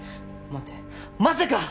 待てまさか！